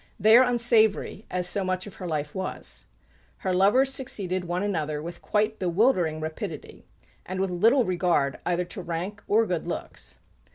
They are unsavoury, as so much of her life was. Her lovers succeeded one another with quite bewildering rapidity, and with little regard either to rank or good looks.